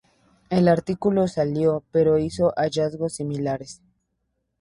El artículo salió, pero hizo hallazgos similares.